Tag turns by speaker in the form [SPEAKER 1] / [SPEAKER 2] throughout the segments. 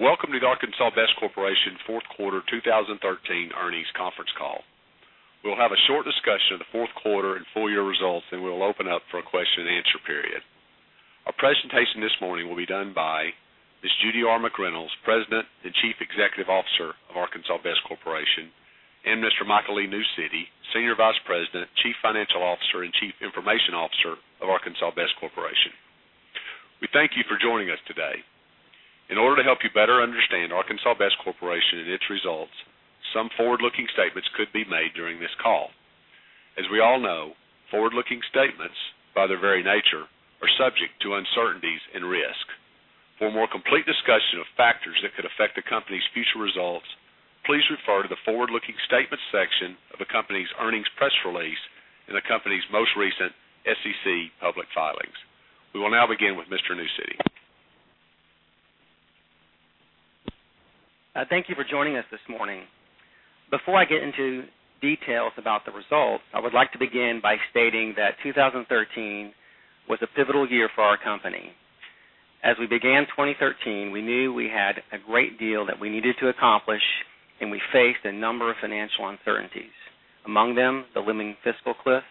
[SPEAKER 1] Welcome to the Arkansas Best Corporation Fourth Quarter 2013 Earnings Conference Call. We'll have a short discussion of the fourth quarter and full year results, then we'll open up for a question-and-answer period. Our presentation this morning will be done by Ms. Judy R. McReynolds, President and Chief Executive Officer of Arkansas Best Corporation, and Mr. Michael E. Newcity, Senior Vice President, Chief Financial Officer, and Chief Information Officer of Arkansas Best Corporation. We thank you for joining us today. In order to help you better understand Arkansas Best Corporation and its results, some forward-looking statements could be made during this call. As we all know, forward-looking statements, by their very nature, are subject to uncertainties and risk. For a more complete discussion of factors that could affect a company's future results, please refer to the forward-looking statements section of a company's earnings press release and the company's most recent SEC public filings. We will now begin with Mr. Newcity.
[SPEAKER 2] Thank you for joining us this morning. Before I get into details about the results, I would like to begin by stating that 2013 was a pivotal year for our company. As we began 2013, we knew we had a great deal that we needed to accomplish, and we faced a number of financial uncertainties. Among them, the looming fiscal cliff,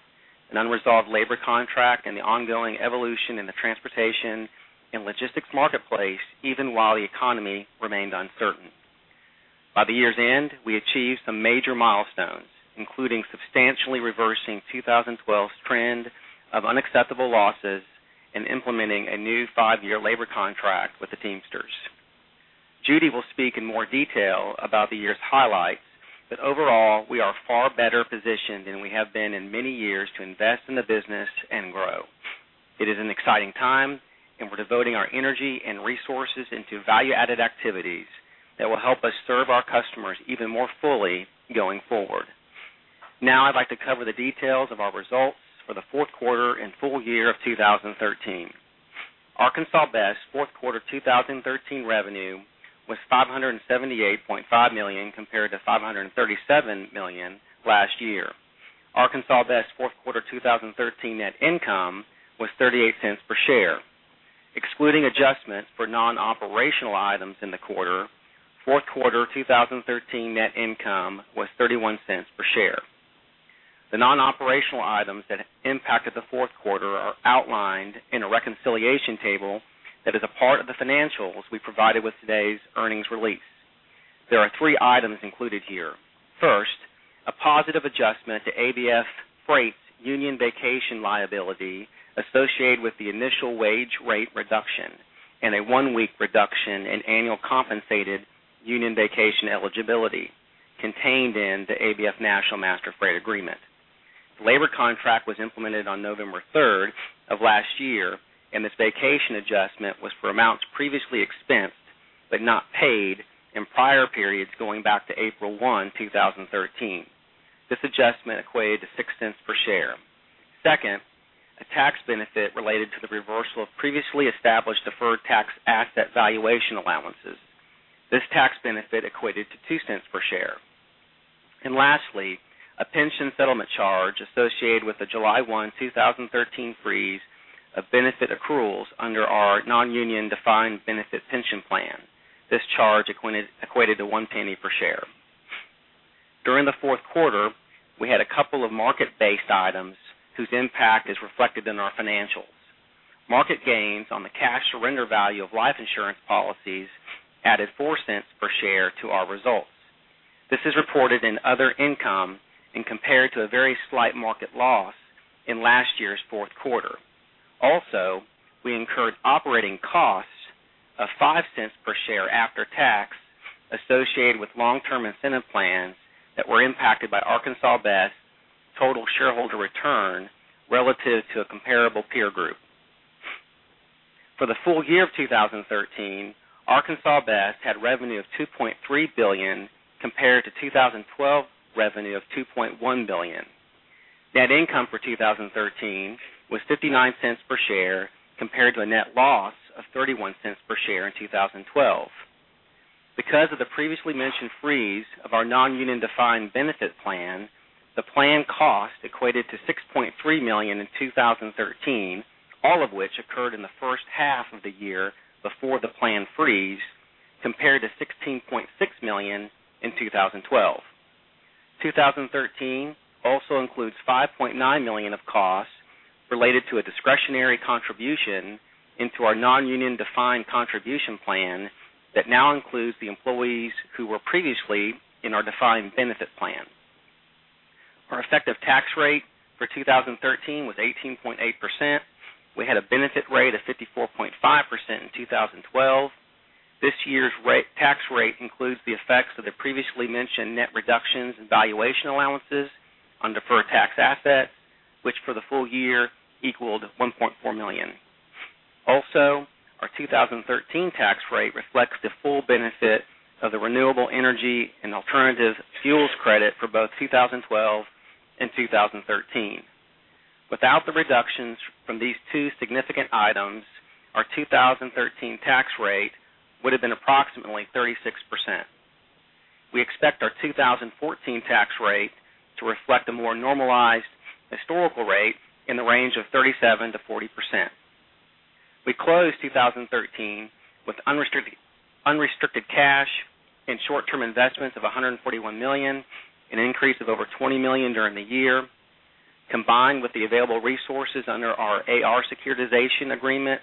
[SPEAKER 2] an unresolved labor contract, and the ongoing evolution in the transportation and logistics marketplace, even while the economy remained uncertain. By the year's end, we achieved some major milestones, including substantially reversing 2012's trend of unacceptable losses and implementing a new 5-year labor contract with the Teamsters. Judy will speak in more detail about the year's highlights, but overall, we are far better positioned than we have been in many years to invest in the business and grow. It is an exciting time, and we're devoting our energy and resources into value-added activities that will help us serve our customers even more fully going forward. Now I'd like to cover the details of our results for the fourth quarter and full year of 2013. Arkansas Best fourth quarter 2013 revenue was $578.5 million compared to $537 million last year. Arkansas Best fourth quarter 2013 net income was $0.38 per share. Excluding adjustments for non-operational items in the quarter, fourth quarter 2013 net income was $0.31 per share. The non-operational items that impacted the fourth quarter are outlined in a reconciliation table that is a part of the financials we provided with today's earnings release. There are three items included here. First, a positive adjustment to ABF Freight's union vacation liability associated with the initial wage rate reduction and a one-week reduction in annual compensated union vacation eligibility, contained in the ABF National Master Freight Agreement. The labor contract was implemented on November 3rd of last year, and this vacation adjustment was for amounts previously expensed but not paid in prior periods going back to April 1, 2013. This adjustment equated to $0.06 per share. Second, a tax benefit related to the reversal of previously established deferred tax asset valuation allowances. This tax benefit equated to $0.02 per share. And lastly, a pension settlement charge associated with the July 1, 2013 freeze of benefit accruals under our non-union defined benefit pension plan. This charge equated to $0.01 per share. During the fourth quarter, we had a couple of market-based items whose impact is reflected in our financials. Market gains on the cash surrender value of life insurance policies added $0.04 per share to our results. This is reported in other income and compared to a very slight market loss in last year's fourth quarter. Also, we incurred operating costs of $0.05 per share after tax associated with long-term incentive plans that were impacted by Arkansas Best's total shareholder return relative to a comparable peer group. For the full year of 2013, Arkansas Best had revenue of $2.3 billion compared to 2012 revenue of $2.1 billion. Net income for 2013 was $0.59 per share compared to a net loss of $0.31 per share in 2012. Because of the previously mentioned freeze of our non-union defined benefit plan, the plan cost equated to $6.3 million in 2013, all of which occurred in the first half of the year before the plan freeze, compared to $16.6 million in 2012. 2013 also includes $5.9 million of costs related to a discretionary contribution into our non-union defined contribution plan that now includes the employees who were previously in our defined benefit plan. Our effective tax rate for 2013 was 18.8%. We had a benefit rate of 54.5% in 2012. This year's tax rate includes the effects of the previously mentioned net reductions in valuation allowances on deferred tax assets, which for the full year equaled $1.4 million. Also, our 2013 tax rate reflects the full benefit of the renewable energy and alternative fuels credit for both 2012 and 2013. Without the reductions from these two significant items, our 2013 tax rate would have been approximately 36%. We expect our 2014 tax rate to reflect a more normalized historical rate in the range of 37%-40%. We closed 2013 with unrestricted cash and short-term investments of $141 million, an increase of over $20 million during the year. Combined with the available resources under our AR securitization agreement,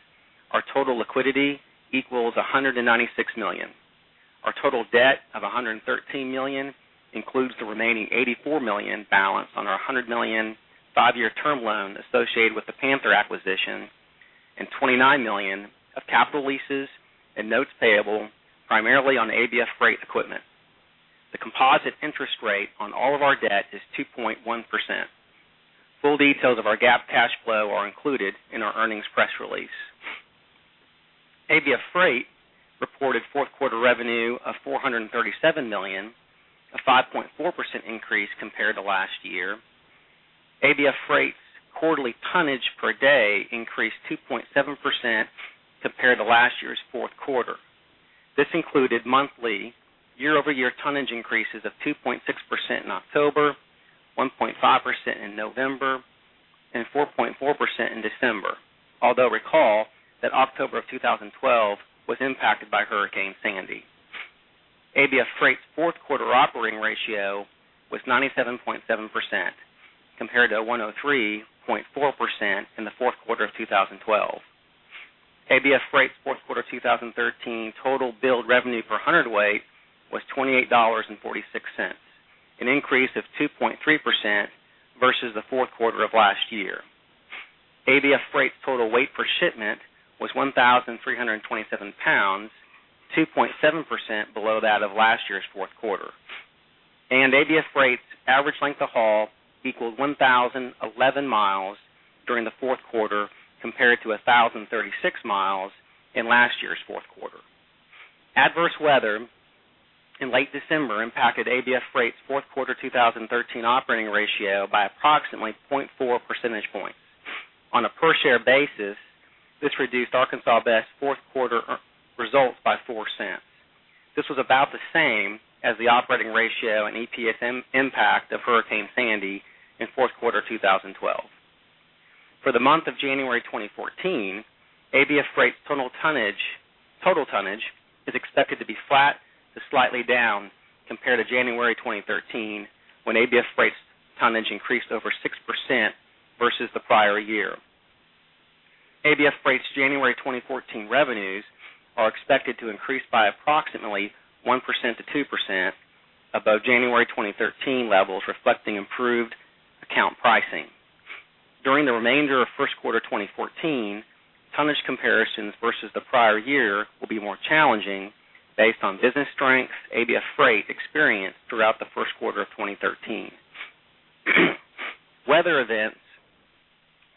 [SPEAKER 2] our total liquidity equals $196 million. Our total debt of $113 million includes the remaining $84 million balance on our $100 million five-year term loan associated with the Panther acquisition and $29 million of capital leases and notes payable primarily on ABF Freight equipment. The composite interest rate on all of our debt is 2.1%. Full details of our GAAP cash flow are included in our earnings press release. ABF Freight reported fourth quarter revenue of $437 million, a 5.4% increase compared to last year. ABF Freight's quarterly tonnage per day increased 2.7% compared to last year's fourth quarter. This included monthly, year-over-year tonnage increases of 2.6% in October, 1.5% in November, and 4.4% in December, although recall that October of 2012 was impacted by Hurricane Sandy. ABF Freight's fourth quarter operating ratio was 97.7% compared to 103.4% in the fourth quarter of 2012. ABF Freight's fourth quarter 2013 total billed revenue per hundredweight was $28.46, an increase of 2.3% versus the fourth quarter of last year. ABF Freight's total weight per shipment was 1,327 pounds, 2.7% below that of last year's fourth quarter. ABF Freight's average length of haul equaled 1,011 miles during the fourth quarter compared to 1,036 miles in last year's fourth quarter. Adverse weather in late December impacted ABF Freight's fourth quarter 2013 operating ratio by approximately 0.4 percentage points. On a per-share basis, this reduced Arkansas Best fourth quarter results by $0.04. This was about the same as the operating ratio and EPS impact of Hurricane Sandy in fourth quarter 2012. For the month of January 2014, ABF Freight's total tonnage is expected to be flat to slightly down compared to January 2013, when ABF Freight's tonnage increased over 6% versus the prior year. ABF Freight's January 2014 revenues are expected to increase by approximately 1%-2% above January 2013 levels, reflecting improved account pricing. During the remainder of first quarter 2014, tonnage comparisons versus the prior year will be more challenging based on business strengths ABF Freight experienced throughout the first quarter of 2013. Weather events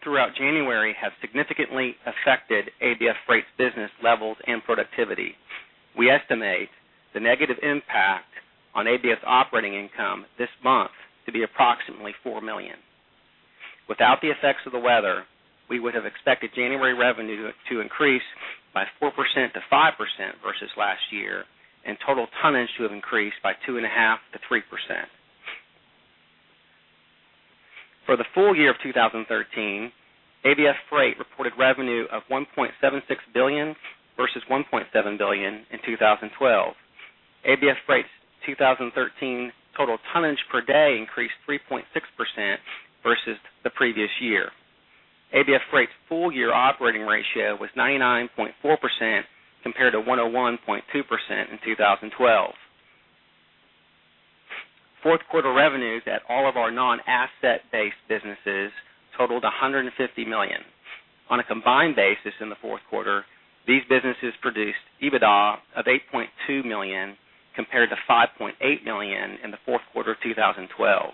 [SPEAKER 2] throughout January have significantly affected ABF Freight's business levels and productivity. We estimate the negative impact on ABF's operating income this month to be approximately $4 million. Without the effects of the weather, we would have expected January revenue to increase by 4%-5% versus last year, and total tonnage to have increased by 2.5%-3%. For the full year of 2013, ABF Freight reported revenue of $1.76 billion versus $1.7 billion in 2012. ABF Freight's 2013 total tonnage per day increased 3.6% versus the previous year. ABF Freight's full year operating ratio was 99.4% compared to 101.2% in 2012. Fourth quarter revenues at all of our non-asset-based businesses totaled $150 million. On a combined basis in the fourth quarter, these businesses produced EBITDA of $8.2 million compared to $5.8 million in the fourth quarter of 2012.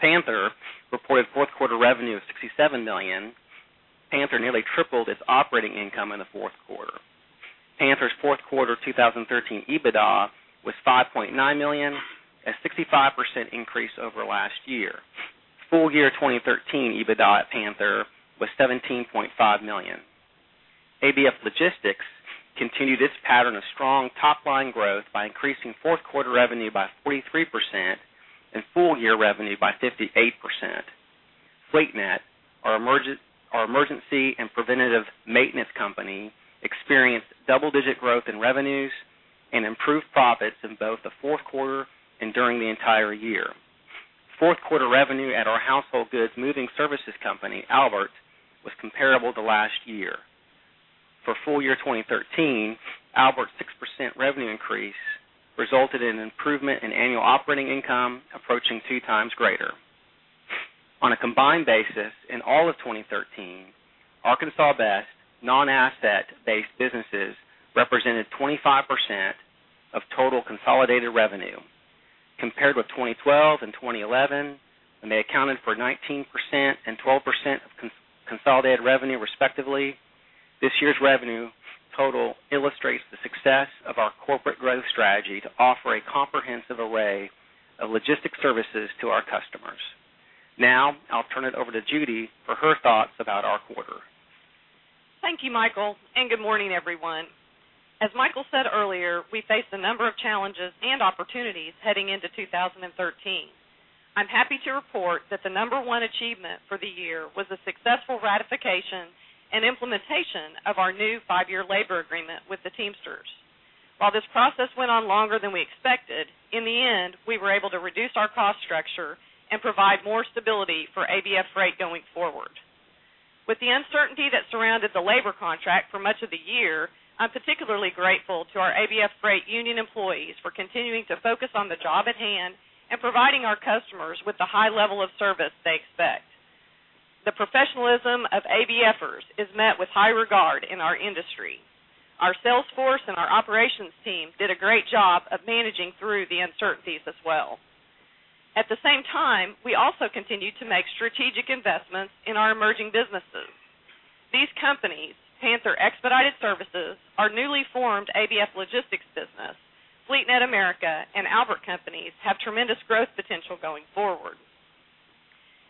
[SPEAKER 2] Panther reported fourth quarter revenue of $67 million. Panther nearly tripled its operating income in the fourth quarter. Panther's fourth quarter 2013 EBITDA was $5.9 million, a 65% increase over last year. full year 2013 EBITDA at Panther was $17.5 million. ABF Logistics continued its pattern of strong top-line growth by increasing fourth quarter revenue by 43% and full year revenue by 58%. FleetNet, our emergency and preventative maintenance company, experienced double-digit growth in revenues and improved profits in both the fourth quarter and during the entire year. Fourth quarter revenue at our household goods moving services company, Albert, was comparable to last year. For full year 2013, Albert's 6% revenue increase resulted in an improvement in annual operating income approaching 3x greater. On a combined basis in all of 2013, Arkansas Best non-asset-based businesses represented 25% of total consolidated revenue. Compared with 2012 and 2011, when they accounted for 19% and 12% of consolidated revenue respectively, this year's revenue total illustrates the success of our corporate growth strategy to offer a comprehensive array of logistics services to our customers. Now I'll turn it over to Judy for her thoughts about our quarter.
[SPEAKER 3] Thank you, Michael, and good morning, everyone. As Michael said earlier, we faced a number of challenges and opportunities heading into 2013. I'm happy to report that the number one achievement for the year was the successful ratification and implementation of our new five-year labor agreement with the Teamsters. While this process went on longer than we expected, in the end, we were able to reduce our cost structure and provide more stability for ABF Freight going forward. With the uncertainty that surrounded the labor contract for much of the year, I'm particularly grateful to our ABF Freight union employees for continuing to focus on the job at hand and providing our customers with the high level of service they expect. The professionalism of ABFers is met with high regard in our industry. Our sales force and our operations team did a great job of managing through the uncertainties as well. At the same time, we also continue to make strategic investments in our emerging businesses. These companies, Panther Expedited Services, our newly formed ABF Logistics business, FleetNet America, and Albert Companies, have tremendous growth potential going forward.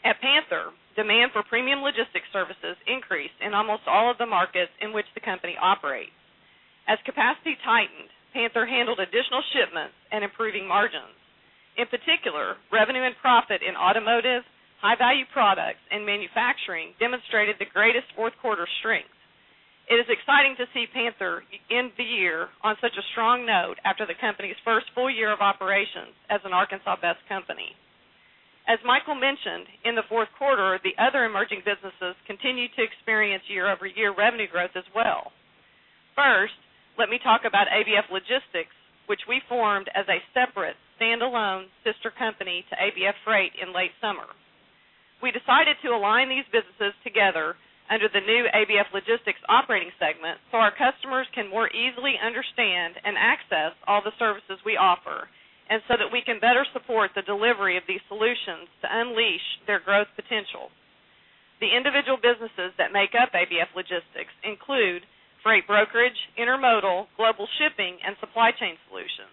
[SPEAKER 3] At Panther, demand for premium logistics services increased in almost all of the markets in which the company operates. As capacity tightened, Panther handled additional shipments and improving margins. In particular, revenue and profit in automotive, high-value products, and manufacturing demonstrated the greatest fourth quarter strength. It is exciting to see Panther end the year on such a strong note after the company's first full year of operations as an Arkansas Best company. As Michael mentioned, in the fourth quarter, the other emerging businesses continued to experience year-over-year revenue growth as well. First, let me talk about ABF Logistics, which we formed as a separate, standalone sister company to ABF Freight in late summer. We decided to align these businesses together under the new ABF Logistics operating segment so our customers can more easily understand and access all the services we offer and so that we can better support the delivery of these solutions to unleash their growth potential. The individual businesses that make up ABF Logistics include freight brokerage, intermodal, global shipping, and supply chain solutions.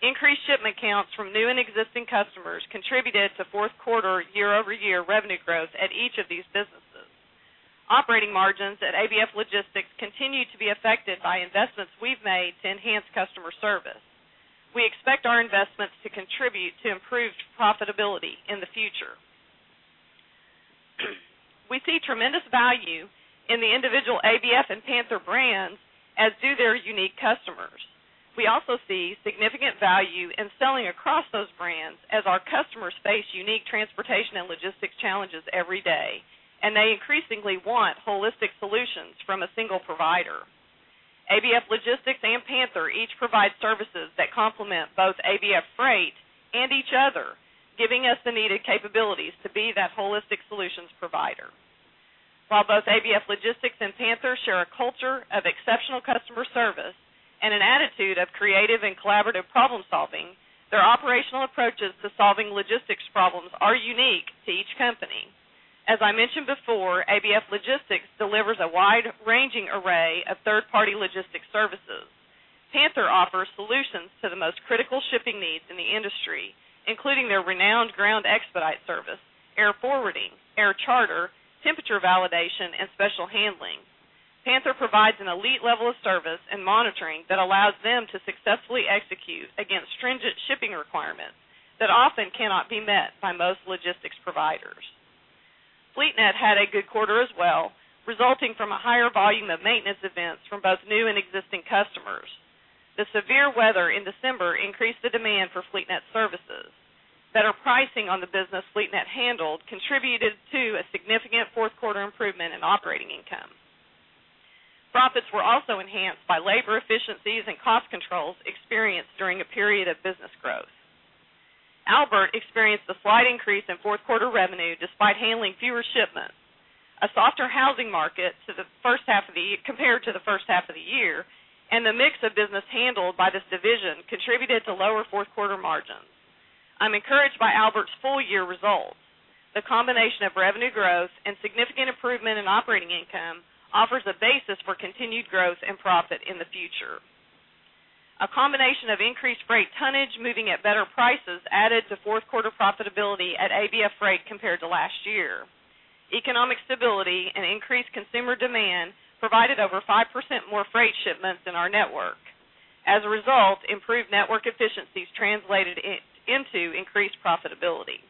[SPEAKER 3] Increased shipment counts from new and existing customers contributed to fourth quarter year-over-year revenue growth at each of these businesses. Operating margins at ABF Logistics continue to be affected by investments we've made to enhance customer service. We expect our investments to contribute to improved profitability in the future. We see tremendous value in the individual ABF and Panther brands, as do their unique customers. We also see significant value in selling across those brands, as our customers face unique transportation and logistics challenges every day, and they increasingly want holistic solutions from a single provider. ABF Logistics and Panther each provide services that complement both ABF Freight and each other, giving us the needed capabilities to be that holistic solutions provider. While both ABF Logistics and Panther share a culture of exceptional customer service and an attitude of creative and collaborative problem-solving, their operational approaches to solving logistics problems are unique to each company. As I mentioned before, ABF Logistics delivers a wide-ranging array of third-party logistics services. Panther offers solutions to the most critical shipping needs in the industry, including their renowned ground expedite service, air forwarding, air charter, temperature validation, and special handling. Panther provides an elite level of service and monitoring that allows them to successfully execute against stringent shipping requirements that often cannot be met by most logistics providers. FleetNet had a good quarter as well, resulting from a higher volume of maintenance events from both new and existing customers. The severe weather in December increased the demand for FleetNet services. Better pricing on the business FleetNet handled contributed to a significant fourth quarter improvement in operating income. Profits were also enhanced by labor efficiencies and cost controls experienced during a period of business growth. Albert experienced a slight increase in fourth quarter revenue despite handling fewer shipments. A softer housing market compared to the first half of the year and the mix of business handled by this division contributed to lower fourth quarter margins. I'm encouraged by Albert's full year results. The combination of revenue growth and significant improvement in operating income offers a basis for continued growth and profit in the future. A combination of increased freight tonnage moving at better prices added to fourth quarter profitability at ABF Freight compared to last year. Economic stability and increased consumer demand provided over 5% more freight shipments in our network. As a result, improved network efficiencies translated into increased profitability.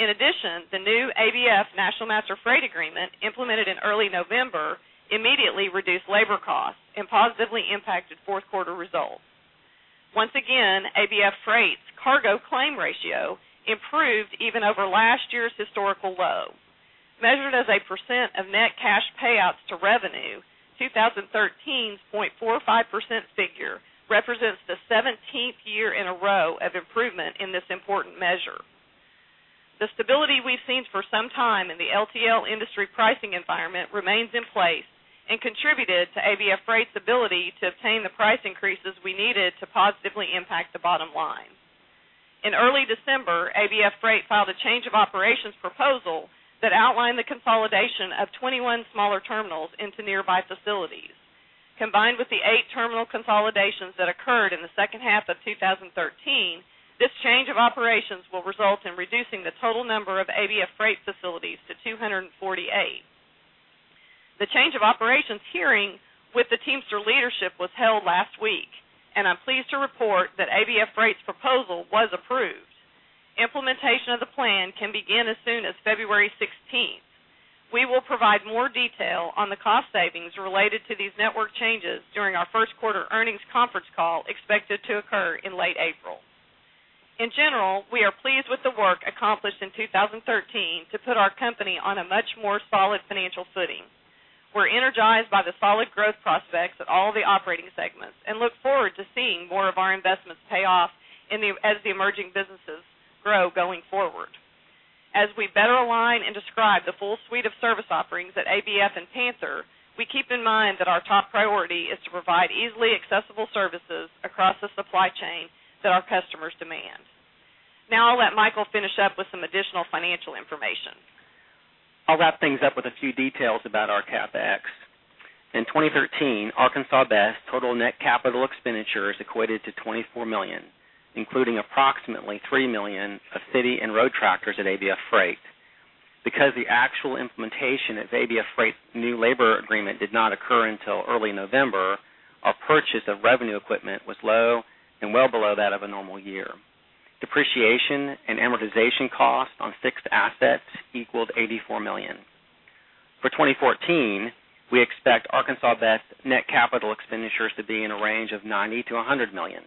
[SPEAKER 3] In addition, the new ABF National Master Freight Agreement implemented in early November immediately reduced labor costs and positively impacted fourth quarter results. Once again, ABF Freight's cargo claim ratio improved even over last year's historical low. Measured as a percent of net cash payouts to revenue, 2013's 0.45% figure represents the 17th year in a row of improvement in this important measure. The stability we've seen for some time in the LTL industry pricing environment remains in place and contributed to ABF Freight's ability to obtain the price increases we needed to positively impact the bottom line. In early December, ABF Freight filed a Change of Operations proposal that outlined the consolidation of 21 smaller terminals into nearby facilities. Combined with the eight terminal consolidations that occurred in the second half of 2013, this Change of Operations will result in reducing the total number of ABF Freight facilities to 248. The Change of Operations hearing with the Teamsters leadership was held last week, and I'm pleased to report that ABF Freight's proposal was approved. Implementation of the plan can begin as soon as February 16th. We will provide more detail on the cost savings related to these network changes during our first quarter earnings conference call expected to occur in late April. In general, we are pleased with the work accomplished in 2013 to put our company on a much more solid financial footing. We're energized by the solid growth prospects at all of the operating segments and look forward to seeing more of our investments pay off as the emerging businesses grow going forward. As we better align and describe the full suite of service offerings at ABF and Panther, we keep in mind that our top priority is to provide easily accessible services across the supply chain that our customers demand. Now I'll let Michael finish up with some additional financial information.
[SPEAKER 2] I'll wrap things up with a few details about our CapEx. In 2013, Arkansas Best total net capital expenditure is equated to $24 million, including approximately $3 million of city and road tractors at ABF Freight. Because the actual implementation of ABF Freight's new labor agreement did not occur until early November, our purchase of revenue equipment was low and well below that of a normal year. Depreciation and amortization costs on fixed assets equaled $84 million. For 2014, we expect Arkansas Best net capital expenditures to be in a range of $90-$100 million.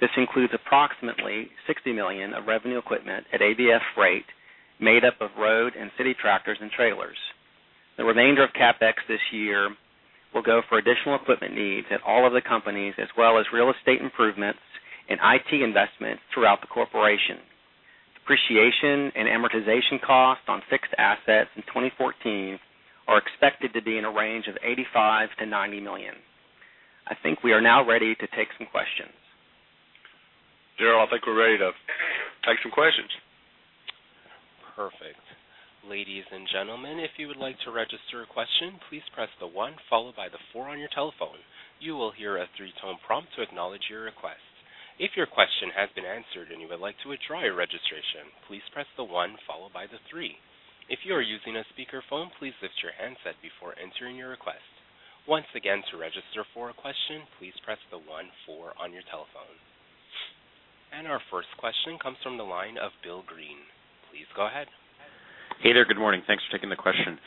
[SPEAKER 2] This includes approximately $60 million of revenue equipment at ABF Freight made up of road and city tractors and trailers. The remainder of CapEx this year will go for additional equipment needs at all of the companies, as well as real estate improvements and IT investments throughout the corporation. Depreciation and amortization costs on fixed assets in 2014 are expected to be in a range of $85-$90 million. I think we are now ready to take some questions.
[SPEAKER 1] Gerald, I think we're ready to take some questions.
[SPEAKER 4] Perfect. Ladies and gentlemen, if you would like to register a question, please press the 1 followed by the 4 on your telephone. You will hear a 3-tone prompt to acknowledge your request. If your question has been answered and you would like to withdraw your registration, please press the 1 followed by the 3. If you are using a speakerphone, please lift your handset before entering your request. Once again, to register for a question, please press the 1, 4 on your telephone. Our first question comes from the line of Bill Green. Please go ahead.
[SPEAKER 5] Hey there. Good morning. Thanks for taking the question.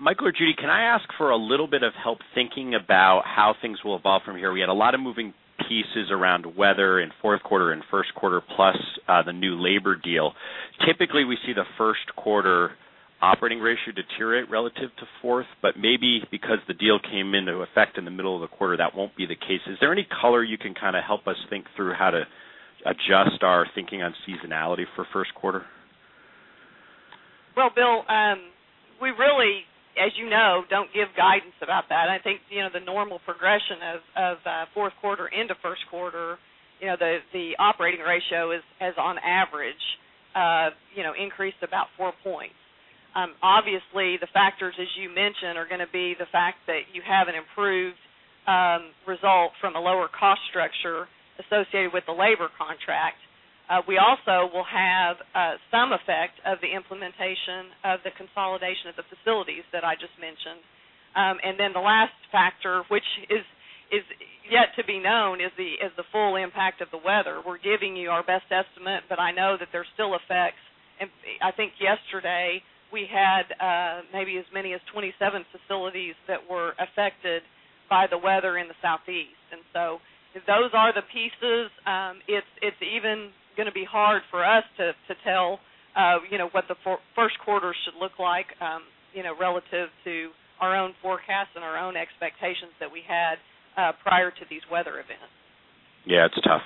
[SPEAKER 5] Michael or Judy, can I ask for a little bit of help thinking about how things will evolve from here? We had a lot of moving pieces around weather in fourth quarter and first quarter plus the new labor deal. Typically, we see the first quarter operating ratio deteriorate relative to fourth, but maybe because the deal came into effect in the middle of the quarter, that won't be the case. Is there any color you can kind of help us think through how to adjust our thinking on seasonality for first quarter?
[SPEAKER 3] Well, Bill, we really, as you know, don't give guidance about that. I think the normal progression of fourth quarter into first quarter, the operating ratio has, on average, increased about four points. Obviously, the factors, as you mentioned, are going to be the fact that you have an improved result from a lower cost structure associated with the labor contract. We also will have some effect of the implementation of the consolidation of the facilities that I just mentioned. And then the last factor, which is yet to be known, is the full impact of the weather. We're giving you our best estimate, but I know that there's still effects. I think yesterday, we had maybe as many as 27 facilities that were affected by the weather in the Southeast. So if those are the pieces, it's even going to be hard for us to tell what the first quarter should look like relative to our own forecasts and our own expectations that we had prior to these weather events.
[SPEAKER 5] Yeah, it's tough.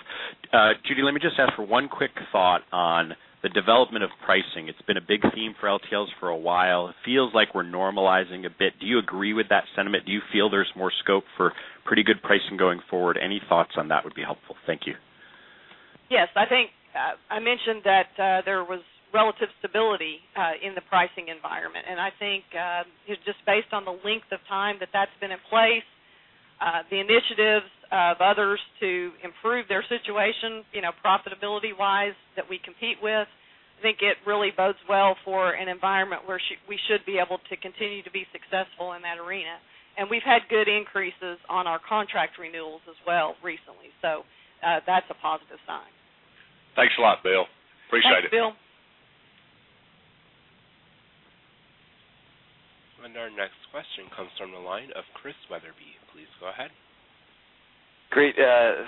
[SPEAKER 5] Judy, let me just ask for one quick thought on the development of pricing. It's been a big theme for LTLs for a while. It feels like we're normalizing a bit. Do you agree with that sentiment? Do you feel there's more scope for pretty good pricing going forward? Any thoughts on that would be helpful. Thank you.
[SPEAKER 3] Yes. I think I mentioned that there was relative stability in the pricing environment. I think just based on the length of time that that's been in place, the initiatives of others to improve their situation profitability-wise that we compete with, I think it really bodes well for an environment where we should be able to continue to be successful in that arena. We've had good increases on our contract renewals as well recently, so that's a positive sign.
[SPEAKER 1] Thanks a lot, Bill. Appreciate it.
[SPEAKER 3] Thanks, Bill.
[SPEAKER 4] And our next question comes from the line of Chris Weatherby. Please go ahead.
[SPEAKER 5] Great.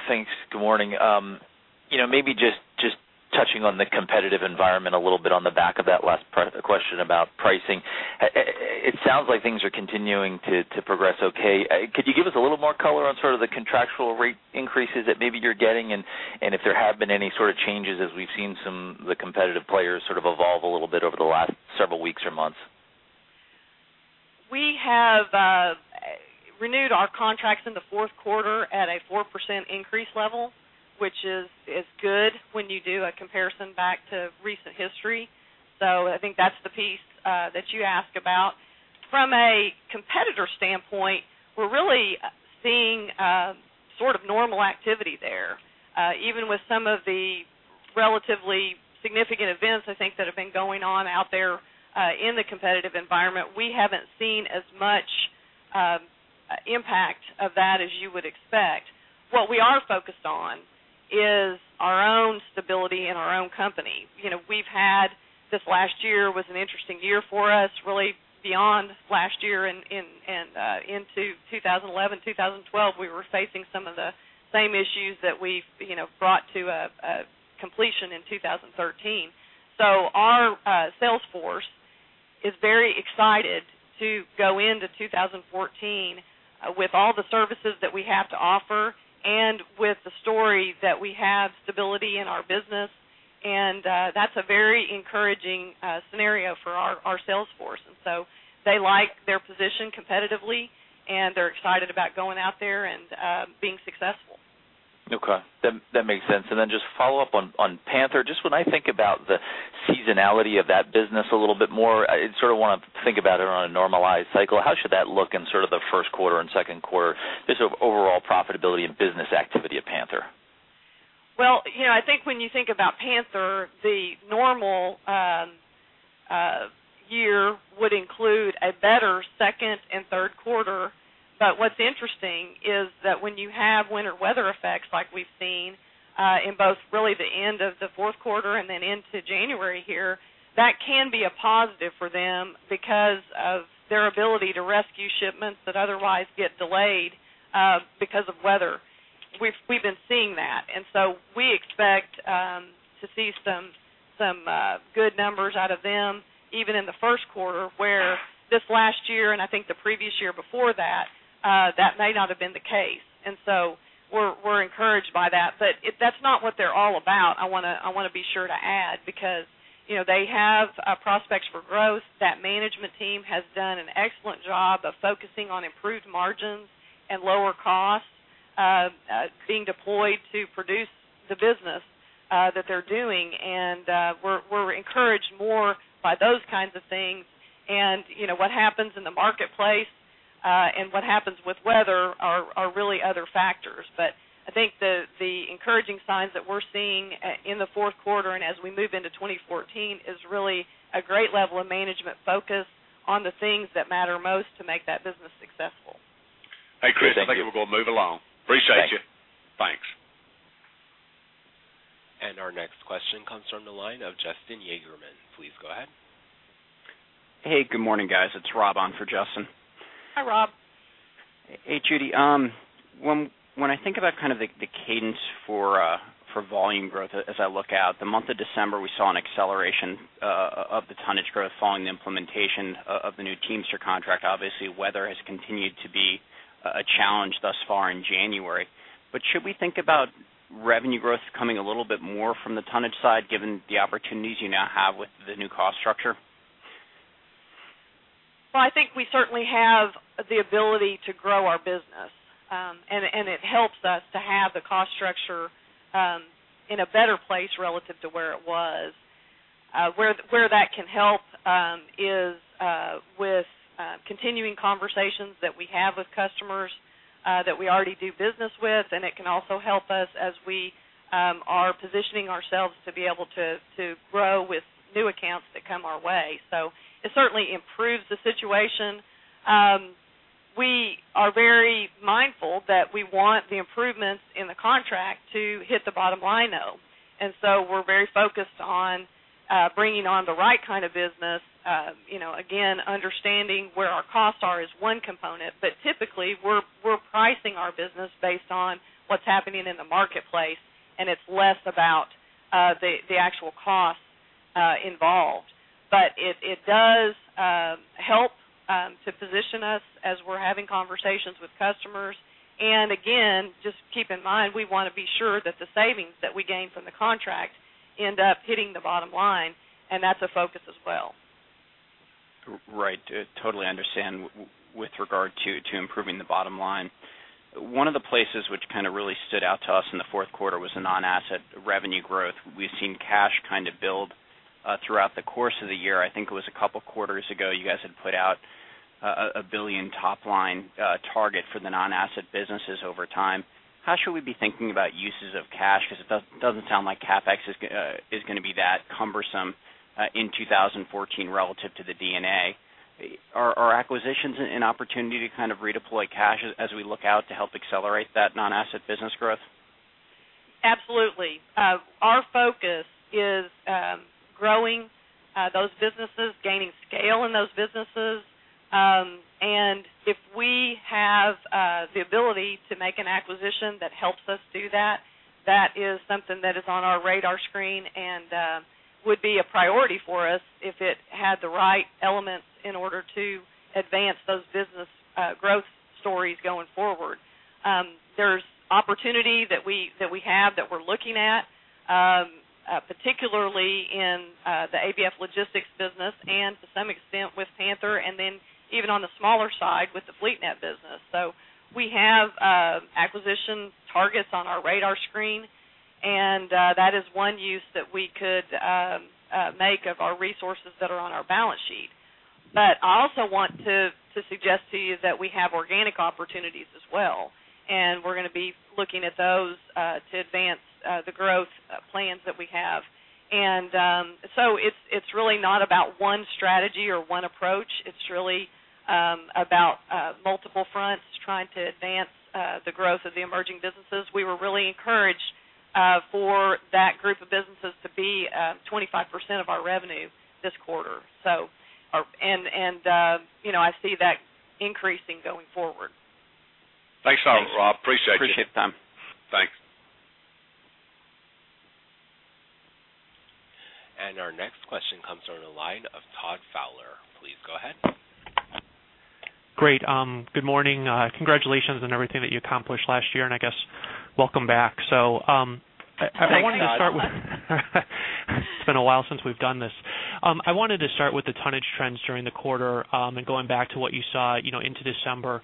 [SPEAKER 5] Thanks. Good morning. Maybe just touching on the competitive environment a little bit on the back of that last question about pricing. It sounds like things are continuing to progress okay. Could you give us a little more color on sort of the contractual rate increases that maybe you're getting and if there have been any sort of changes as we've seen some of the competitive players sort of evolve a little bit over the last several weeks or months?
[SPEAKER 3] We have renewed our contracts in the fourth quarter at a 4% increase level, which is good when you do a comparison back to recent history. So I think that's the piece that you asked about. From a competitor standpoint, we're really seeing sort of normal activity there. Even with some of the relatively significant events, I think, that have been going on out there in the competitive environment, we haven't seen as much impact of that as you would expect. What we are focused on is our own stability and our own company. This last year was an interesting year for us, really. Beyond last year and into 2011, 2012, we were facing some of the same issues that we've brought to completion in 2013. Our sales force is very excited to go into 2014 with all the services that we have to offer and with the story that we have stability in our business. That's a very encouraging scenario for our sales force. They like their position competitively, and they're excited about going out there and being successful.
[SPEAKER 5] Okay. That makes sense. And then just follow up on Panther. Just when I think about the seasonality of that business a little bit more, I sort of want to think about it on a normalized cycle. How should that look in sort of the first quarter and second quarter, just overall profitability and business activity at Panther?
[SPEAKER 3] Well, I think when you think about Panther, the normal year would include a better second and third quarter. But what's interesting is that when you have winter weather effects like we've seen in both really the end of the fourth quarter and then into January here, that can be a positive for them because of their ability to rescue shipments that otherwise get delayed because of weather. We've been seeing that. And so we expect to see some good numbers out of them even in the first quarter where this last year and I think the previous year before that, that may not have been the case. And so we're encouraged by that. But if that's not what they're all about, I want to be sure to add, because they have prospects for growth. That management team has done an excellent job of focusing on improved margins and lower costs, being deployed to produce the business that they're doing. We're encouraged more by those kinds of things. What happens in the marketplace and what happens with weather are really other factors. But I think the encouraging signs that we're seeing in the fourth quarter and as we move into 2014 is really a great level of management focus on the things that matter most to make that business successful.
[SPEAKER 1] Hey, Chris.
[SPEAKER 5] Thank you.
[SPEAKER 1] I think we'll go move along. Appreciate you.
[SPEAKER 5] Thanks.
[SPEAKER 4] Our next question comes from the line of Justin Yagerman. Please go ahead.
[SPEAKER 6] Hey. Good morning, guys. It's Rob on for Justin.
[SPEAKER 3] Hi, Rob.
[SPEAKER 6] Hey, Judy. When I think about kind of the cadence for volume growth as I look out, the month of December, we saw an acceleration of the tonnage growth following the implementation of the new Teamster contract. Obviously, weather has continued to be a challenge thus far in January. But should we think about revenue growth coming a little bit more from the tonnage side given the opportunities you now have with the new cost structure?
[SPEAKER 3] Well, I think we certainly have the ability to grow our business, and it helps us to have the cost structure in a better place relative to where it was. Where that can help is with continuing conversations that we have with customers that we already do business with. And it can also help us as we are positioning ourselves to be able to grow with new accounts that come our way. So it certainly improves the situation. We are very mindful that we want the improvements in the contract to hit the bottom line, though. And so we're very focused on bringing on the right kind of business. Again, understanding where our costs are is one component. But typically, we're pricing our business based on what's happening in the marketplace, and it's less about the actual costs involved. But it does help to position us as we're having conversations with customers. And again, just keep in mind, we want to be sure that the savings that we gain from the contract end up hitting the bottom line, and that's a focus as well.
[SPEAKER 6] Right. Totally understand with regard to improving the bottom line. One of the places which kind of really stood out to us in the fourth quarter was the non-asset revenue growth. We've seen cash kind of build throughout the course of the year. I think it was a couple of quarters ago you guys had put out a $1 billion top-line target for the non-asset businesses over time. How should we be thinking about uses of cash? Because it doesn't sound like CapEx is going to be that cumbersome in 2014 relative to the D&A. Are acquisitions an opportunity to kind of redeploy cash as we look out to help accelerate that non-asset business growth?
[SPEAKER 3] Absolutely. Our focus is growing those businesses, gaining scale in those businesses. And if we have the ability to make an acquisition that helps us do that, that is something that is on our radar screen and would be a priority for us if it had the right elements in order to advance those business growth stories going forward. There's opportunity that we have that we're looking at, particularly in the ABF Logistics business and to some extent with Panther and then even on the smaller side with the FleetNet business. So we have acquisition targets on our radar screen, and that is one use that we could make of our resources that are on our balance sheet. But I also want to suggest to you that we have organic opportunities as well, and we're going to be looking at those to advance the growth plans that we have. So it's really not about one strategy or one approach. It's really about multiple fronts trying to advance the growth of the emerging businesses. We were really encouraged for that group of businesses to be 25% of our revenue this quarter, so. I see that increasing going forward.
[SPEAKER 1] Thanks a lot, Rob. Appreciate the time.
[SPEAKER 6] Thanks.
[SPEAKER 4] Our next question comes from the line of Todd Fowler. Please go ahead.
[SPEAKER 7] Great. Good morning. Congratulations on everything that you accomplished last year, and I guess welcome back. So, I wanted to start with it's been a while since we've done this. I wanted to start with the tonnage trends during the quarter and going back to what you saw into December.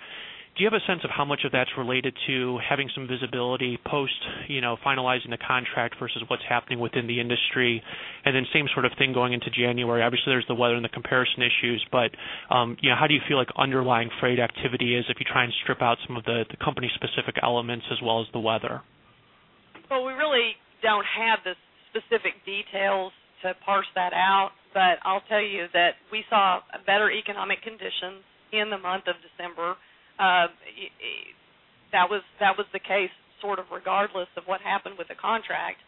[SPEAKER 7] Do you have a sense of how much of that's related to having some visibility post-finalizing the contract versus what's happening within the industry? And then same sort of thing going into January. Obviously, there's the weather and the comparison issues, but how do you feel underlying freight activity is if you try and strip out some of the company-specific elements as well as the weather?
[SPEAKER 3] Well, we really don't have the specific details to parse that out, but I'll tell you that we saw better economic conditions in the month of December. That was the case sort of regardless of what happened with the contract.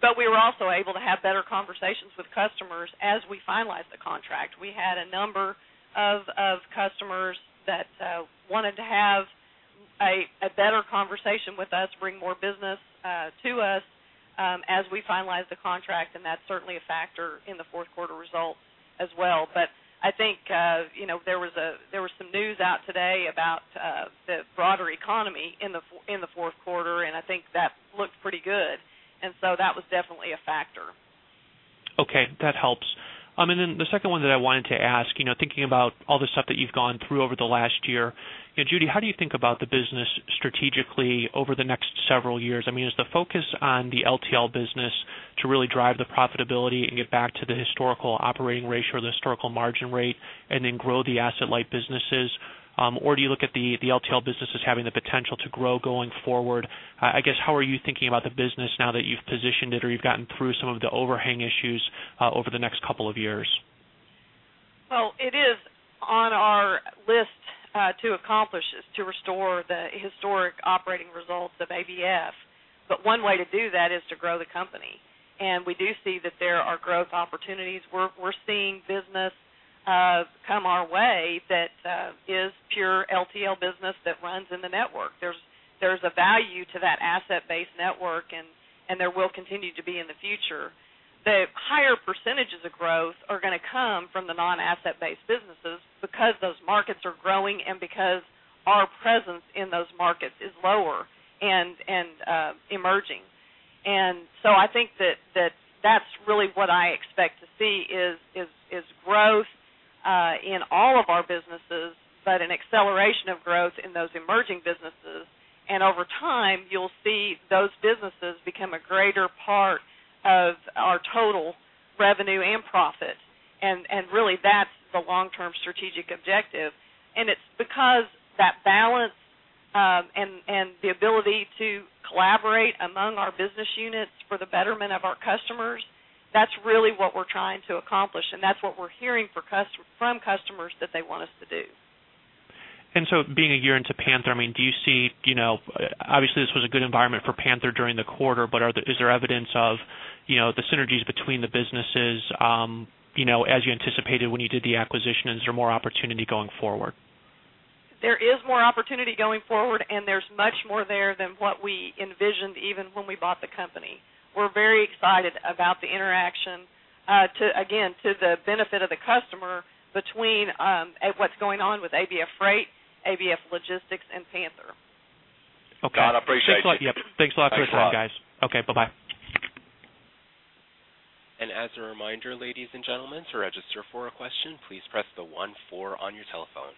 [SPEAKER 3] But we were also able to have better conversations with customers as we finalized the contract. We had a number of customers that wanted to have a better conversation with us, bring more business to us as we finalized the contract. And that's certainly a factor in the fourth quarter results as well. But I think there was some news out today about the broader economy in the fourth quarter, and I think that looked pretty good. And so that was definitely a factor.
[SPEAKER 7] Okay. That helps. And then the second one that I wanted to ask, thinking about all the stuff that you've gone through over the last year, Judy, how do you think about the business strategically over the next several years? I mean, is the focus on the LTL business to really drive the profitability and get back to the historical operating ratio or the historical margin rate and then grow the asset-like businesses, or do you look at the LTL businesses having the potential to grow going forward? I guess, how are you thinking about the business now that you've positioned it or you've gotten through some of the overhang issues over the next couple of years?
[SPEAKER 3] Well, it is on our list to accomplish is to restore the historic operating results of ABF. But one way to do that is to grow the company. And we do see that there are growth opportunities. We're seeing business come our way that is pure LTL business that runs in the network. There's a value to that asset-based network, and there will continue to be in the future. The higher percentages of growth are going to come from the non-asset-based businesses because those markets are growing and because our presence in those markets is lower and emerging. And so I think that that's really what I expect to see is growth in all of our businesses but an acceleration of growth in those emerging businesses. And over time, you'll see those businesses become a greater part of our total revenue and profit. And really, that's the long-term strategic objective. It's because that balance and the ability to collaborate among our business units for the betterment of our customers, that's really what we're trying to accomplish. And that's what we're hearing from customers that they want us to do.
[SPEAKER 7] And so being a year into Panther, I mean, do you see obviously, this was a good environment for Panther during the quarter, but is there evidence of the synergies between the businesses as you anticipated when you did the acquisition? Is there more opportunity going forward?
[SPEAKER 3] There is more opportunity going forward, and there's much more there than what we envisioned even when we bought the company. We're very excited about the interaction, again, to the benefit of the customer between what's going on with ABF Freight, ABF Logistics, and Panther.
[SPEAKER 1] Todd, appreciate you.
[SPEAKER 7] Yep. Thanks a lot for your time, guys.
[SPEAKER 1] Thanks, Todd.
[SPEAKER 7] Okay. Bye-bye.
[SPEAKER 4] As a reminder, ladies and gentlemen, to register for a question, please press star one on your telephone.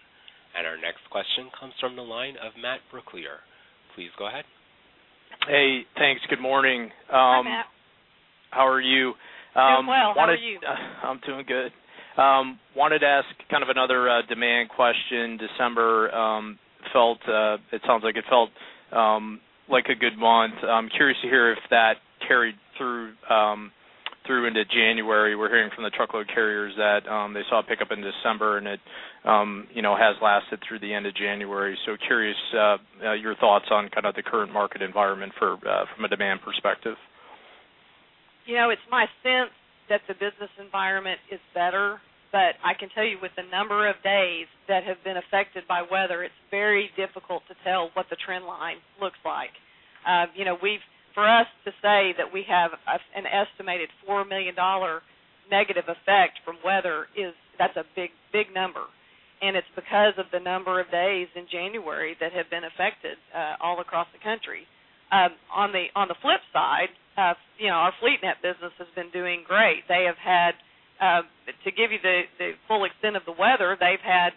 [SPEAKER 4] Our next question comes from the line of Matt Brooklier. Please go ahead.
[SPEAKER 8] Hey. Thanks. Good morning.
[SPEAKER 3] Hi, Matt.
[SPEAKER 8] How are you?
[SPEAKER 3] Doing well. How are you?
[SPEAKER 8] I'm doing good. Wanted to ask kind of another demand question. December felt, it sounds like, it felt like a good month. I'm curious to hear if that carried through into January. We're hearing from the truckload carriers that they saw a pickup in December, and it has lasted through the end of January. So, curious your thoughts on kind of the current market environment from a demand perspective.
[SPEAKER 3] It's my sense that the business environment is better. But I can tell you with the number of days that have been affected by weather, it's very difficult to tell what the trend line looks like. For us to say that we have an estimated $4 million negative effect from weather, that's a big number. And it's because of the number of days in January that have been affected all across the country. On the flip side, our FleetNet business has been doing great. They have had to give you the full extent of the weather, they've had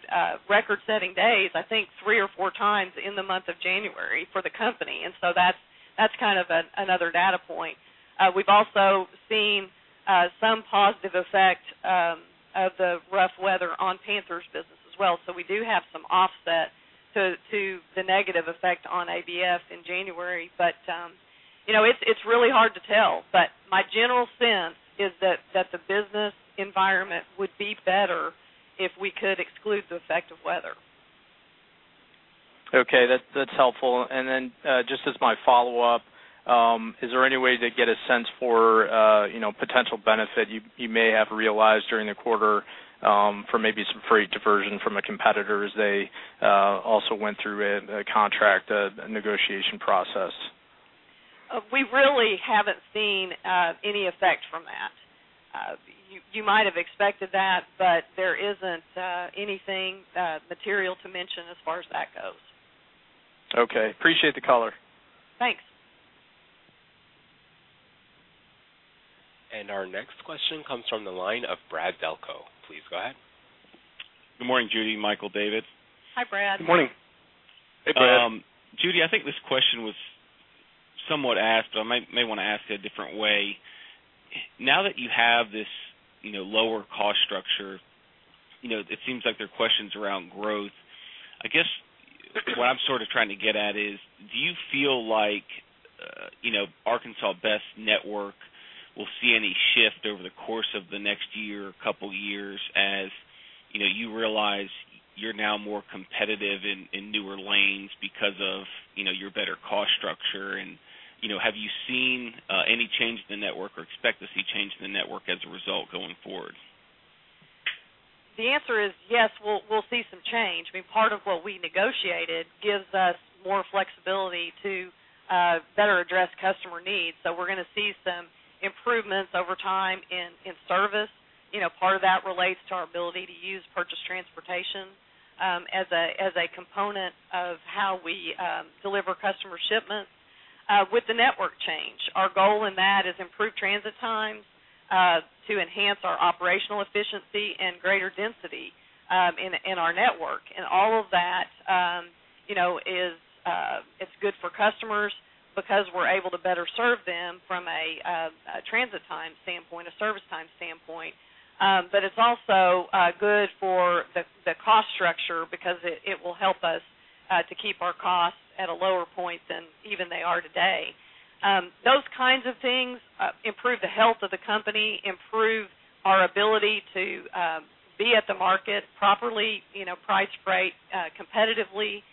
[SPEAKER 3] record-setting days, I think 3 or 4x times in the month of January for the company. And so that's kind of another data point. We've also seen some positive effect of the rough weather on Panther's business as well. We do have some offset to the negative effect on ABF in January. But it's really hard to tell. But my general sense is that the business environment would be better if we could exclude the effect of weather.
[SPEAKER 8] Okay. That's helpful. And then just as my follow-up, is there any way to get a sense for potential benefit you may have realized during the quarter for maybe some freight diversion from a competitor as they also went through a contract negotiation process?
[SPEAKER 3] We really haven't seen any effect from that. You might have expected that, but there isn't anything material to mention as far as that goes.
[SPEAKER 8] Okay. Appreciate the caller.
[SPEAKER 3] Thanks.
[SPEAKER 4] Our next question comes from the line of Brad Delco. Please go ahead.
[SPEAKER 9] Good morning, Judy. Michael, David.
[SPEAKER 3] Hi, Brad.
[SPEAKER 2] Good morning.
[SPEAKER 1] Hey, Brad.
[SPEAKER 9] Judy, I think this question was somewhat asked, but I may want to ask it a different way. Now that you have this lower cost structure, it seems like there are questions around growth. I guess what I'm sort of trying to get at is, do you feel like Arkansas Best Network will see any shift over the course of the next year or couple of years as you realize you're now more competitive in newer lanes because of your better cost structure? And have you seen any change in the network or expect to see change in the network as a result going forward?
[SPEAKER 3] The answer is yes. We'll see some change. I mean, part of what we negotiated gives us more flexibility to better address customer needs. So we're going to see some improvements over time in service. Part of that relates to our ability to use purchased transportation as a component of how we deliver customer shipments. With the network change, our goal in that is improve transit times to enhance our operational efficiency and greater density in our network. And all of that, it's good for customers because we're able to better serve them from a transit time standpoint, a service time standpoint. But it's also good for the cost structure because it will help us to keep our costs at a lower point than even they are today. Those kinds of things improve the health of the company, improve our ability to be at the market properly, price great, competitively.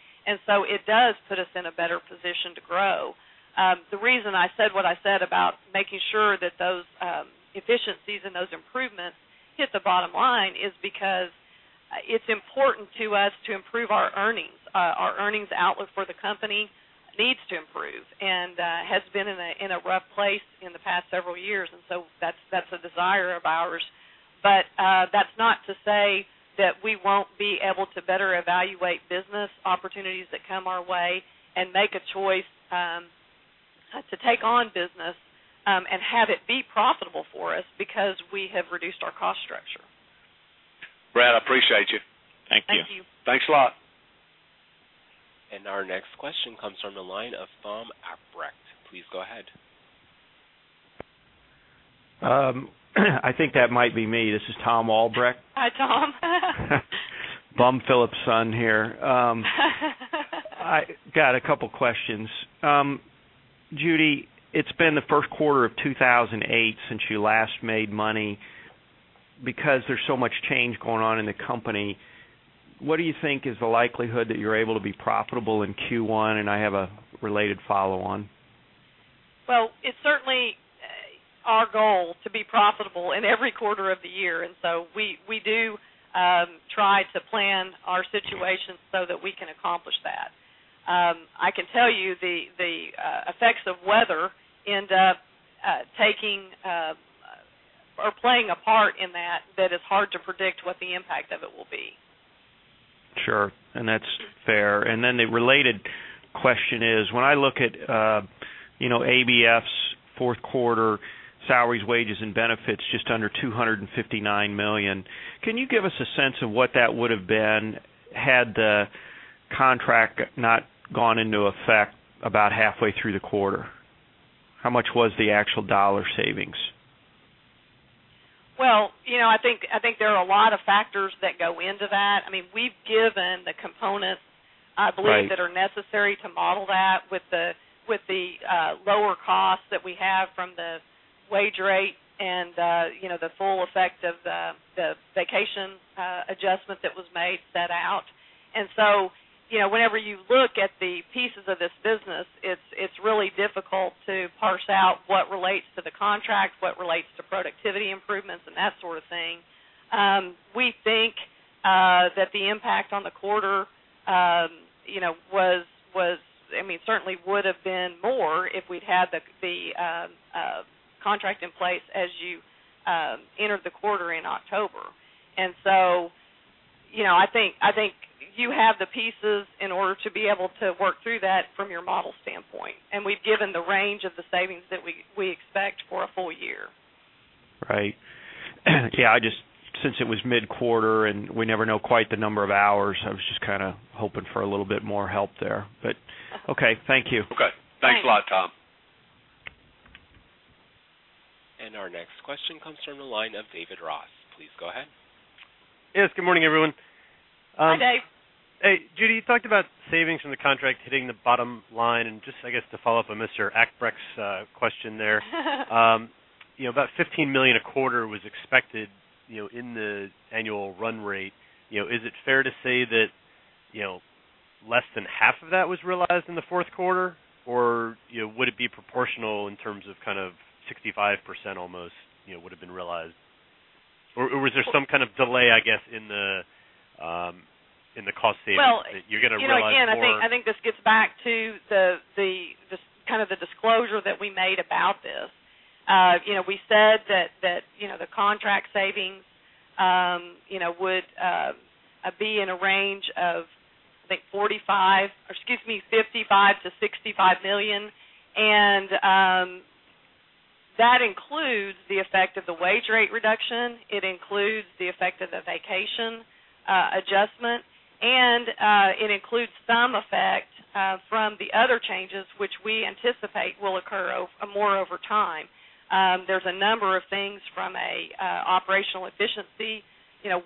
[SPEAKER 3] So it does put us in a better position to grow. The reason I said what I said about making sure that those efficiencies and those improvements hit the bottom line is because it's important to us to improve our earnings. Our earnings outlook for the company needs to improve and has been in a rough place in the past several years. That's a desire of ours. But that's not to say that we won't be able to better evaluate business opportunities that come our way and make a choice to take on business and have it be profitable for us because we have reduced our cost structure.
[SPEAKER 1] Brad, I appreciate you.
[SPEAKER 9] Thank you.
[SPEAKER 3] Thank you.
[SPEAKER 2] Thanks a lot.
[SPEAKER 4] Our next question comes from the line of Thom Albrecht. Please go ahead.
[SPEAKER 10] I think that might be me. This is Thom Albrecht.
[SPEAKER 3] Hi, Thom.
[SPEAKER 10] Thom Phillips Son here. I got a couple of questions. Judy, it's been the first quarter of 2008 since you last made money. Because there's so much change going on in the company, what do you think is the likelihood that you're able to be profitable in Q1? And I have a related follow-on.
[SPEAKER 3] Well, it's certainly our goal to be profitable in every quarter of the year. And so we do try to plan our situation so that we can accomplish that. I can tell you the effects of weather end up taking or playing a part in that that it's hard to predict what the impact of it will be.
[SPEAKER 10] Sure. That's fair. Then the related question is, when I look at ABF's fourth quarter salaries, wages, and benefits just under $259 million, can you give us a sense of what that would have been had the contract not gone into effect about halfway through the quarter? How much was the actual dollar savings?
[SPEAKER 3] Well, I think there are a lot of factors that go into that. I mean, we've given the components, I believe, that are necessary to model that with the lower costs that we have from the wage rate and the full effect of the vacation adjustment that was made set out. And so whenever you look at the pieces of this business, it's really difficult to parse out what relates to the contract, what relates to productivity improvements, and that sort of thing. We think that the impact on the quarter was I mean, certainly would have been more if we'd had the contract in place as you entered the quarter in October. And so I think you have the pieces in order to be able to work through that from your model standpoint. And we've given the range of the savings that we expect for a full-year.
[SPEAKER 10] Right. Yeah. Since it was mid-quarter and we never know quite the number of hours, I was just kind of hoping for a little bit more help there. But okay. Thank you.
[SPEAKER 1] Okay. Thanks a lot, Thom.
[SPEAKER 4] Our next question comes from the line of David Ross. Please go ahead.
[SPEAKER 11] Yes. Good morning, everyone.
[SPEAKER 3] Hi, Dave.
[SPEAKER 11] Hey, Judy, you talked about savings from the contract hitting the bottom line. And just, I guess, to follow up on Mr. Albrecht's question there, about $15 million a quarter was expected in the annual run rate. Is it fair to say that less than half of that was realized in the fourth quarter, or would it be proportional in terms of kind of 65% almost would have been realized? Or was there some kind of delay, I guess, in the cost savings that you're going to realize later on?
[SPEAKER 3] Well, again, I think this gets back to kind of the disclosure that we made about this. We said that the contract savings would be in a range of, I think, 45 or excuse me, $55-$65 million. And that includes the effect of the wage rate reduction. It includes the effect of the vacation adjustment. And it includes some effect from the other changes, which we anticipate will occur more over time. There's a number of things from an operational efficiency,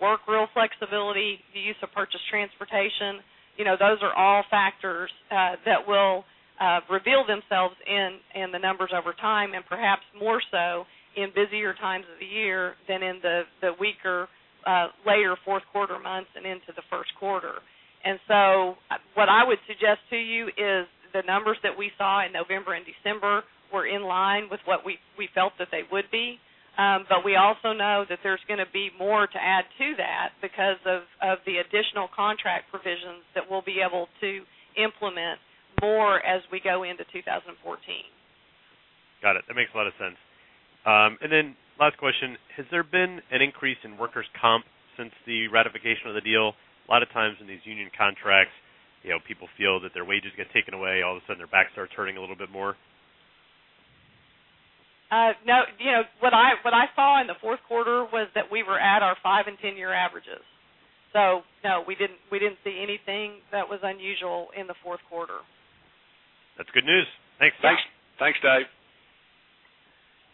[SPEAKER 3] work rule flexibility, the use of purchased transportation. Those are all factors that will reveal themselves in the numbers over time and perhaps more so in busier times of the year than in the weaker, later fourth-quarter months and into the first quarter. And so what I would suggest to you is the numbers that we saw in November and December were in line with what we felt that they would be. But we also know that there's going to be more to add to that because of the additional contract provisions that we'll be able to implement more as we go into 2014.
[SPEAKER 11] Got it. That makes a lot of sense. And then last question, has there been an increase in workers' comp since the ratification of the deal? A lot of times in these union contracts, people feel that their wages get taken away. All of a sudden, their back starts hurting a little bit more.
[SPEAKER 3] No. What I saw in the fourth quarter was that we were at our 5- and 10-year averages. So no, we didn't see anything that was unusual in the fourth quarter.
[SPEAKER 11] That's good news. Thanks.
[SPEAKER 1] Thanks, Dave.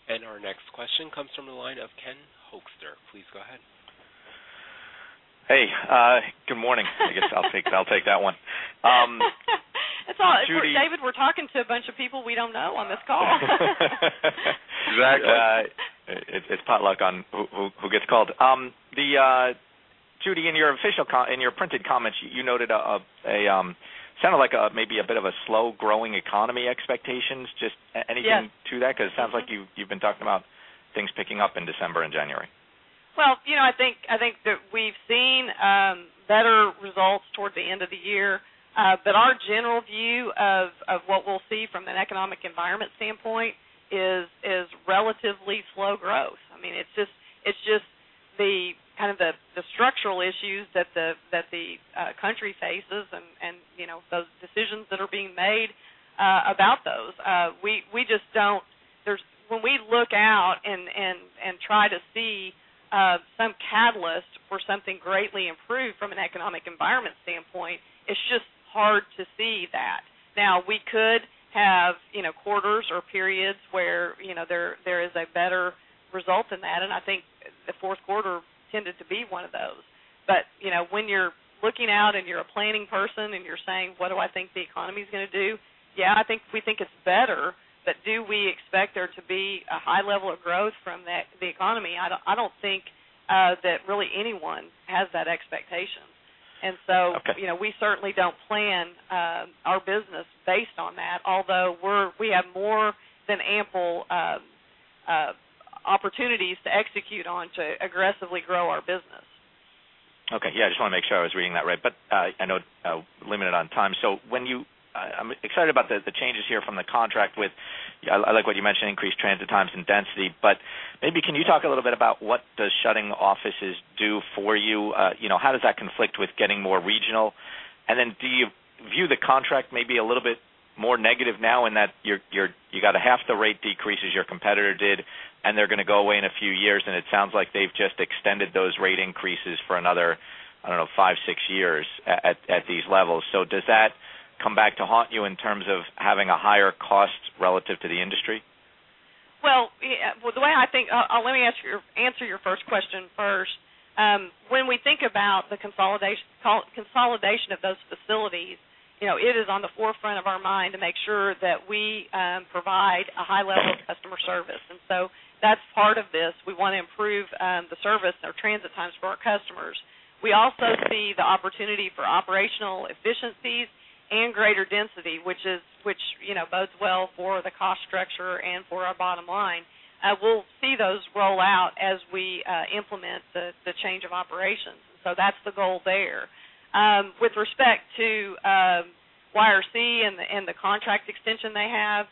[SPEAKER 4] Our next question comes from the line of Ken Hoexter. Please go ahead.
[SPEAKER 12] Hey. Good morning. I guess I'll take that one.
[SPEAKER 3] It's all good, David. We're talking to a bunch of people we don't know on this call.
[SPEAKER 1] Exactly.
[SPEAKER 12] It's potluck on who gets called. Judy, in your printed comments, you noted it sounded like maybe a bit of a slow-growing economy expectations. Just anything to that? Because it sounds like you've been talking about things picking up in December and January.
[SPEAKER 3] Well, I think that we've seen better results toward the end of the year. But our general view of what we'll see from an economic environment standpoint is relatively slow growth. I mean, it's just kind of the structural issues that the country faces and those decisions that are being made about those. We just don't, when we look out and try to see some catalyst for something greatly improved from an economic environment standpoint, it's just hard to see that. Now, we could have quarters or periods where there is a better result than that. And I think the fourth quarter tended to be one of those. But when you're looking out and you're a planning person and you're saying, "What do I think the economy is going to do?" Yeah, I think we think it's better. Do we expect there to be a high level of growth from the economy? I don't think that really anyone has that expectation. So we certainly don't plan our business based on that, although we have more than ample opportunities to execute on to aggressively grow our business.
[SPEAKER 12] Okay. Yeah. I just want to make sure I was reading that right. But I know limited on time. So when you I'm excited about the changes here from the contract with I like what you mentioned, increased transit times and density. But maybe can you talk a little bit about what does shutting offices do for you? How does that conflict with getting more regional? And then do you view the contract maybe a little bit more negative now in that you got a half the rate decrease as your competitor did, and they're going to go away in a few years? And it sounds like they've just extended those rate increases for another, I don't know, 5, 6 years at these levels. So does that come back to haunt you in terms of having a higher cost relative to the industry?
[SPEAKER 3] Well, the way I think, let me answer your first question first. When we think about the consolidation of those facilities, it is on the forefront of our mind to make sure that we provide a high level of customer service. And so that's part of this. We want to improve the service or transit times for our customers. We also see the opportunity for operational efficiencies and greater density, which bodes well for the cost structure and for our bottom line. We'll see those roll out as we implement the Change of Operations. And so that's the goal there. With respect to YRC and the contract extension they have,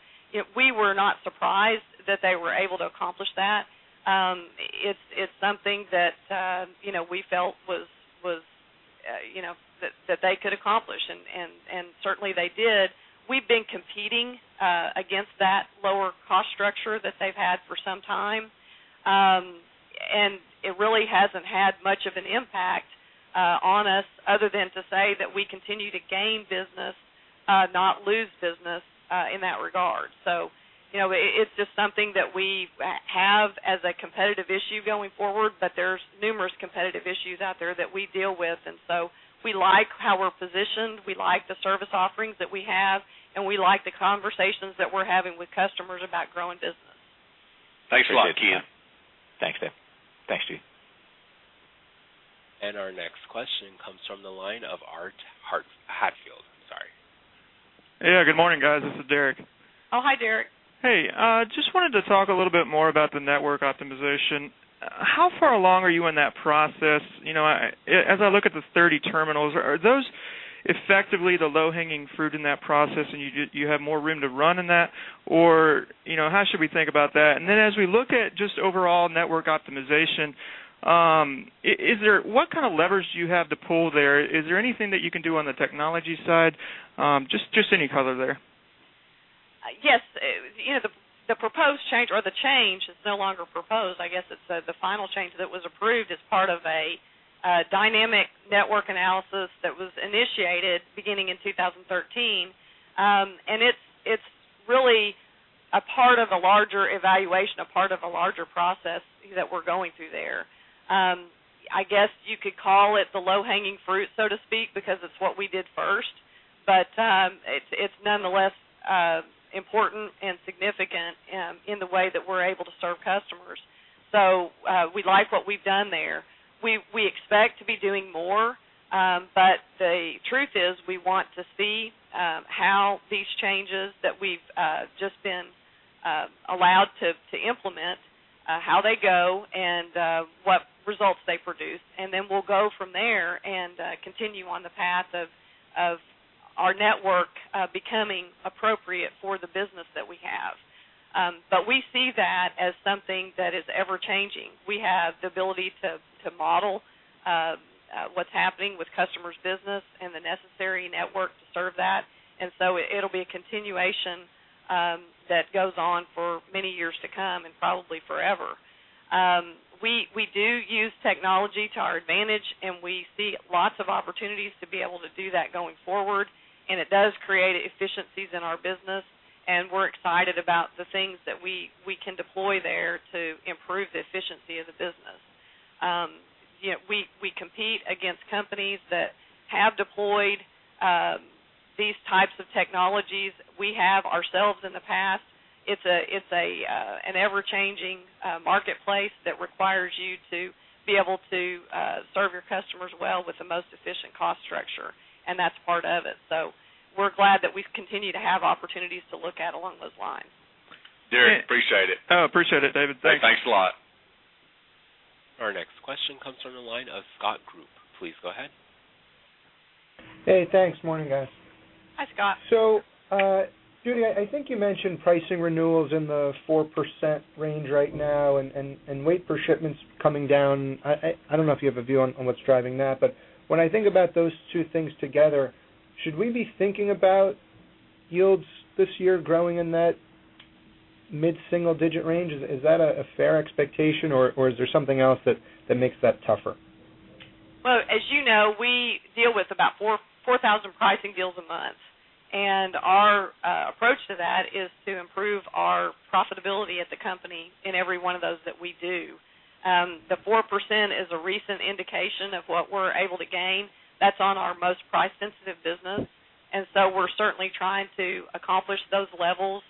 [SPEAKER 3] we were not surprised that they were able to accomplish that. It's something that we felt was that they could accomplish. And certainly, they did. We've been competing against that lower cost structure that they've had for some time. It really hasn't had much of an impact on us other than to say that we continue to gain business, not lose business in that regard. It's just something that we have as a competitive issue going forward. There's numerous competitive issues out there that we deal with. We like how we're positioned. We like the service offerings that we have. We like the conversations that we're having with customers about growing business.
[SPEAKER 1] Thanks a lot, Ken.
[SPEAKER 12] Thanks, David. Thanks, Judy.
[SPEAKER 4] Our next question comes from the line of Art Hatfield. I'm sorry.
[SPEAKER 13] Hey. Good morning, guys. This is Derek.
[SPEAKER 3] Oh, hi, Derek.
[SPEAKER 13] Hey. Just wanted to talk a little bit more about the network optimization. How far along are you in that process? As I look at the 30 terminals, are those effectively the low-hanging fruit in that process? And you have more room to run in that? Or how should we think about that? And then as we look at just overall network optimization, what kind of levers do you have to pull there? Is there anything that you can do on the technology side? Just any color there.
[SPEAKER 3] Yes. The proposed change or the change is no longer proposed. I guess it's the final change that was approved as part of a dynamic network analysis that was initiated beginning in 2013. And it's really a part of a larger evaluation, a part of a larger process that we're going through there. I guess you could call it the low-hanging fruit, so to speak, because it's what we did first. But it's nonetheless important and significant in the way that we're able to serve customers. So we like what we've done there. We expect to be doing more. But the truth is, we want to see how these changes that we've just been allowed to implement, how they go, and what results they produce. And then we'll go from there and continue on the path of our network becoming appropriate for the business that we have. But we see that as something that is ever-changing. We have the ability to model what's happening with customers' business and the necessary network to serve that. And so it'll be a continuation that goes on for many years to come and probably forever. We do use technology to our advantage. And we see lots of opportunities to be able to do that going forward. And it does create efficiencies in our business. And we're excited about the things that we can deploy there to improve the efficiency of the business. We compete against companies that have deployed these types of technologies. We have ourselves in the past. It's an ever-changing marketplace that requires you to be able to serve your customers well with the most efficient cost structure. And that's part of it. So we're glad that we continue to have opportunities to look at along those lines.
[SPEAKER 1] Derek, appreciate it.
[SPEAKER 13] Appreciate it, David. Thanks.
[SPEAKER 1] Thanks a lot.
[SPEAKER 4] Our next question comes from the line of Scott Group. Please go ahead.
[SPEAKER 14] Hey. Thanks. Morning, guys.
[SPEAKER 3] Hi, Scott.
[SPEAKER 14] So, Judy, I think you mentioned pricing renewals in the 4% range right now and weight per shipment coming down. I don't know if you have a view on what's driving that. But when I think about those two things together, should we be thinking about yields this year growing in that mid-single-digit range? Is that a fair expectation? Or is there something else that makes that tougher?
[SPEAKER 3] Well, as you know, we deal with about 4,000 pricing deals a month. And our approach to that is to improve our profitability at the company in every one of those that we do. The 4% is a recent indication of what we're able to gain. That's on our most price-sensitive business. And so we're certainly trying to accomplish those levels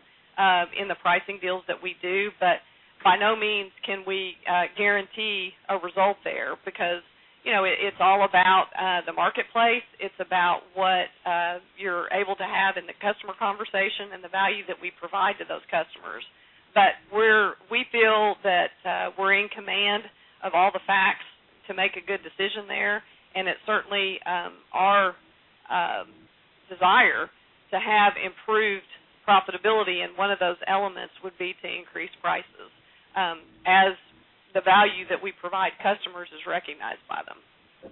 [SPEAKER 3] in the pricing deals that we do. But by no means can we guarantee a result there because it's all about the marketplace. It's about what you're able to have in the customer conversation and the value that we provide to those customers. But we feel that we're in command of all the facts to make a good decision there. And it's certainly our desire to have improved profitability. One of those elements would be to increase prices as the value that we provide customers is recognized by them.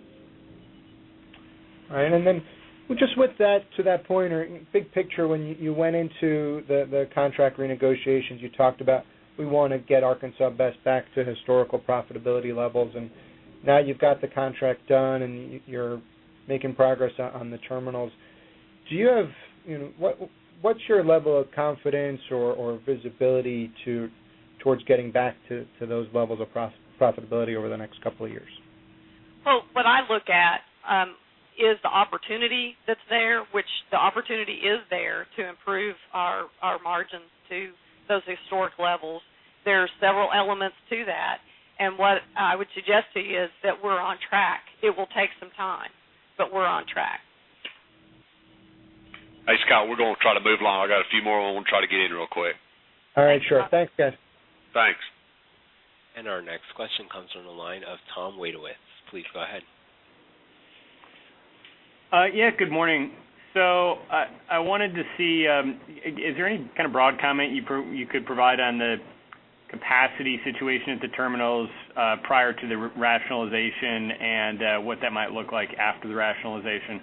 [SPEAKER 14] All right. And then just with that to that point or big picture, when you went into the contract renegotiations, you talked about, "We want to get Arkansas Best back to historical profitability levels." And now you've got the contract done. And you're making progress on the terminals. Do you have what's your level of confidence or visibility towards getting back to those levels of profitability over the next couple of years?
[SPEAKER 3] Well, what I look at is the opportunity that's there, which the opportunity is there to improve our margins to those historic levels. There are several elements to that. What I would suggest to you is that we're on track. It will take some time. We're on track.
[SPEAKER 1] Hey, Scott. We're going to try to move along. I got a few more ones. We'll try to get in real quick.
[SPEAKER 14] All right. Sure. Thanks, guys.
[SPEAKER 1] Thanks.
[SPEAKER 4] Our next question comes from the line of Tom Wadewitz. Please go ahead.
[SPEAKER 15] Yeah. Good morning. I wanted to see is there any kind of broad comment you could provide on the capacity situation at the terminals prior to the rationalization and what that might look like after the rationalization?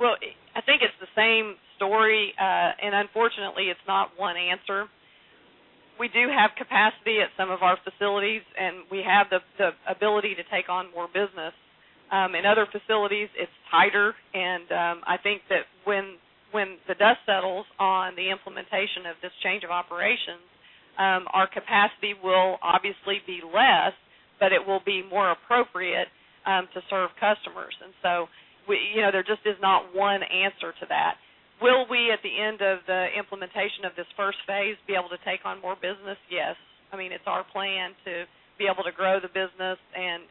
[SPEAKER 3] Well, I think it's the same story. And unfortunately, it's not one answer. We do have capacity at some of our facilities. And we have the ability to take on more business. In other facilities, it's tighter. And I think that when the dust settles on the implementation of this Change of Operations, our capacity will obviously be less. But it will be more appropriate to serve customers. And so there just is not one answer to that. Will we, at the end of the implementation of this first phase, be able to take on more business? Yes. I mean, it's our plan to be able to grow the business and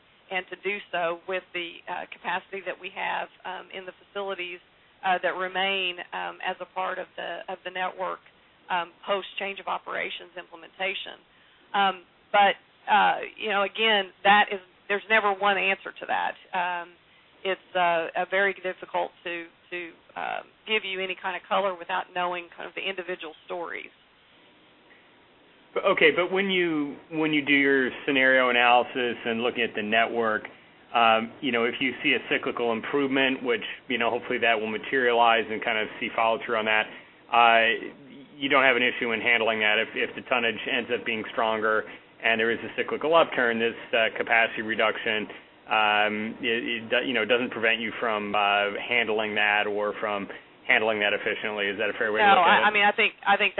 [SPEAKER 3] to do so with the capacity that we have in the facilities that remain as a part of the network post-Change-of-Operations implementation. But again, there's never one answer to that. It's very difficult to give you any kind of color without knowing kind of the individual stories.
[SPEAKER 15] Okay. But when you do your scenario analysis and look at the network, if you see a cyclical improvement, which hopefully, that will materialize and kind of see follow-through on that, you don't have an issue in handling that. If the tonnage ends up being stronger and there is a cyclical upturn, this capacity reduction doesn't prevent you from handling that or from handling that efficiently. Is that a fair way to look at it?
[SPEAKER 3] No. I mean, I think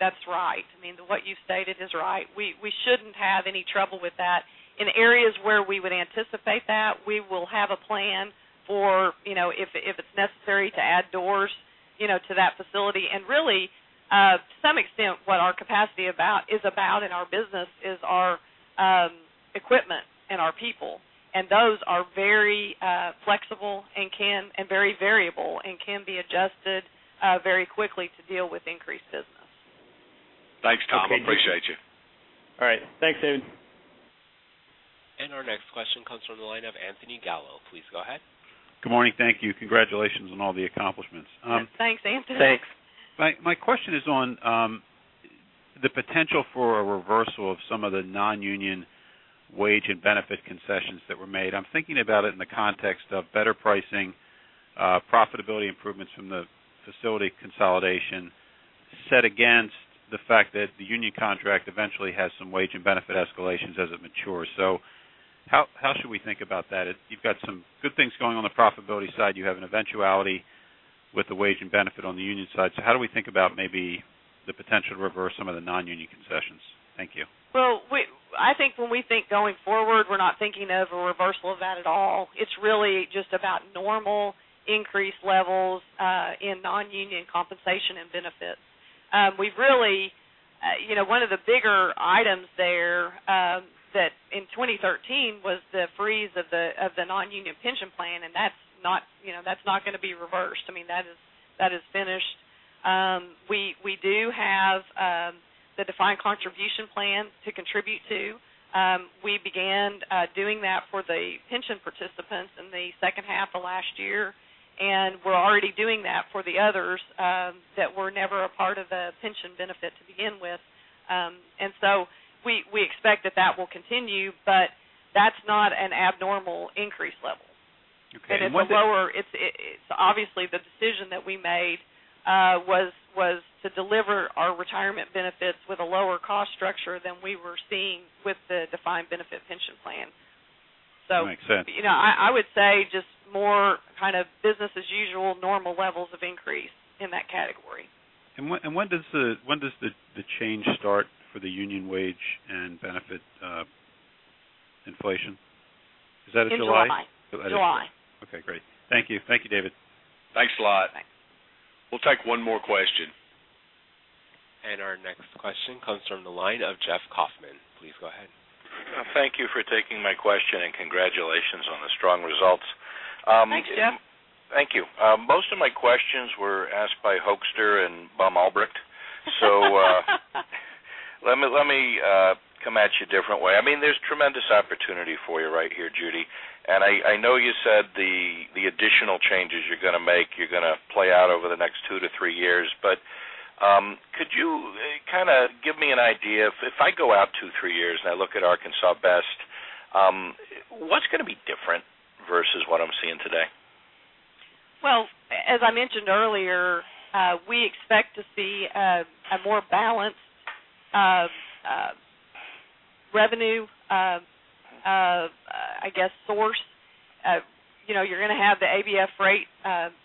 [SPEAKER 3] that's right. I mean, what you stated is right. We shouldn't have any trouble with that. In areas where we would anticipate that, we will have a plan for, if it's necessary, to add doors to that facility. Really, to some extent, what our capacity is about in our business is our equipment and our people. Those are very flexible and very variable and can be adjusted very quickly to deal with increased business.
[SPEAKER 1] Thanks, Tom. Appreciate you.
[SPEAKER 15] All right. Thanks, David.
[SPEAKER 4] Our next question comes from the line of Anthony Gallo. Please go ahead.
[SPEAKER 16] Good morning. Thank you. Congratulations on all the accomplishments.
[SPEAKER 3] Thanks, Anthony.
[SPEAKER 16] Thanks. My question is on the potential for a reversal of some of the non-union wage and benefit concessions that were made. I'm thinking about it in the context of better pricing, profitability improvements from the facility consolidation set against the fact that the union contract eventually has some wage and benefit escalations as it matures. So how should we think about that? You've got some good things going on the profitability side. You have an eventuality with the wage and benefit on the union side. So how do we think about maybe the potential to reverse some of the non-union concessions? Thank you.
[SPEAKER 3] Well, I think when we think going forward, we're not thinking of a reversal of that at all. It's really just about normal increased levels in non-union compensation and benefits. We've really one of the bigger items there that in 2013 was the freeze of the non-union pension plan. And that's not going to be reversed. I mean, that is finished. We do have the defined contribution plan to contribute to. We began doing that for the pension participants in the second half of last year. And we're already doing that for the others that were never a part of the pension benefit to begin with. And so we expect that that will continue. But that's not an abnormal increase level. It's a lower. It's obviously the decision that we made was to deliver our retirement benefits with a lower cost structure than we were seeing with the defined benefit pension plan. So.
[SPEAKER 16] Makes sense.
[SPEAKER 3] I would say just more kind of business-as-usual, normal levels of increase in that category.
[SPEAKER 16] When does the change start for the union wage and benefit inflation? Is that in July?
[SPEAKER 3] In July.
[SPEAKER 16] Okay. Great. Thank you. Thank you, David.
[SPEAKER 1] Thanks a lot.
[SPEAKER 3] Thanks.
[SPEAKER 1] We'll take one more question.
[SPEAKER 4] Our next question comes from the line of Jeff Kauffman. Please go ahead.
[SPEAKER 17] Thank you for taking my question. Congratulations on the strong results.
[SPEAKER 3] Thanks, Jeff.
[SPEAKER 17] Thank you. Most of my questions were asked by Hoexter and Thom Albrecht. So let me come at you a different way. I mean, there's tremendous opportunity for you right here, Judy. And I know you said the additional changes you're going to make, you're going to play out over the next 2-3 years. But could you kind of give me an idea if I go out 2-3 years, and I look at Arkansas Best, what's going to be different versus what I'm seeing today?
[SPEAKER 3] Well, as I mentioned earlier, we expect to see a more balanced revenue, I guess, source. You're going to have the ABF rate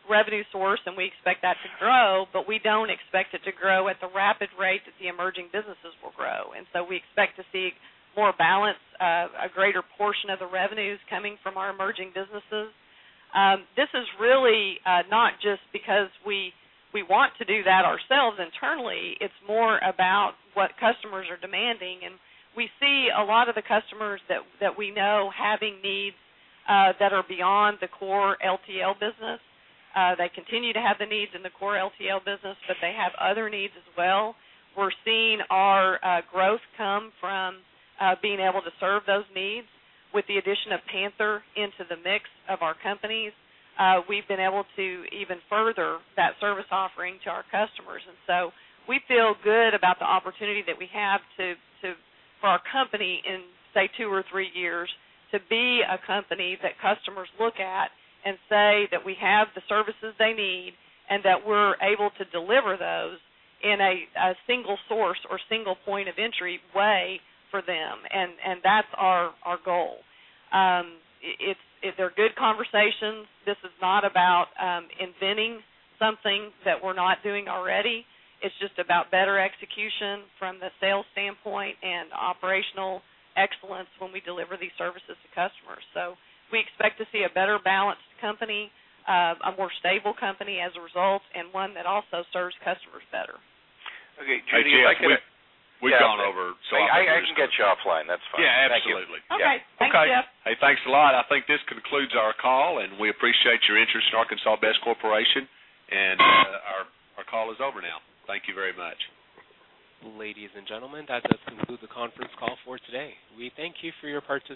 [SPEAKER 3] revenue source. And we expect that to grow. But we don't expect it to grow at the rapid rate that the emerging businesses will grow. And so we expect to see more balance, a greater portion of the revenues coming from our emerging businesses. This is really not just because we want to do that ourselves internally. It's more about what customers are demanding. And we see a lot of the customers that we know having needs that are beyond the core LTL business. They continue to have the needs in the core LTL business. But they have other needs as well. We're seeing our growth come from being able to serve those needs with the addition of Panther into the mix of our companies. We've been able to even further that service offering to our customers. And so we feel good about the opportunity that we have for our company in, say, 2 or 3 years to be a company that customers look at and say that we have the services they need and that we're able to deliver those in a single source or single point-of-entry way for them. And that's our goal. They're good conversations. This is not about inventing something that we're not doing already. It's just about better execution from the sales standpoint and operational excellence when we deliver these services to customers. So we expect to see a better balanced company, a more stable company as a result, and one that also serves customers better.
[SPEAKER 1] Okay. Judy, if I can.
[SPEAKER 17] I guess we've gone over, so I'll stop.
[SPEAKER 1] I can get you offline. That's fine.
[SPEAKER 17] Yeah. Absolutely.
[SPEAKER 3] Yeah. Okay. Thanks, Jeff.
[SPEAKER 1] Hey. Thanks a lot. I think this concludes our call. We appreciate your interest in Arkansas Best Corporation. Our call is over now. Thank you very much.
[SPEAKER 4] Ladies and gentlemen, that does conclude the conference call for today. We thank you for your participation.